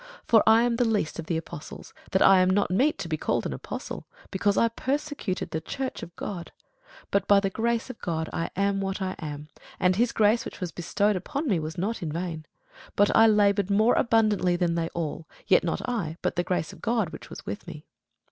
For I am the least of the apostles, that am not meet to be called an apostle, because I persecuted the church of God. But by the grace of God I am what I am: and his grace which was bestowed upon me was not in vain; but I laboured more abundantly than they all: yet not I, but the grace of God which was with me.